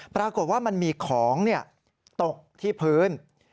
ปรากฏว่ามันมีของตกที่พื้น